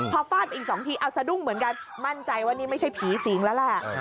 พอฟาดไปอีก๒ทีเอาสะดุ้งเหมือนกันมั่นใจว่านี่ไม่ใช่ผีสิงแล้วแหละ